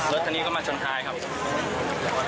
รถนี้กำลังมาท้านคราวครับ